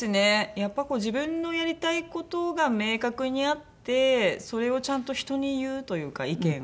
やっぱこう自分のやりたい事が明確にあってそれをちゃんと人に言うというか意見を。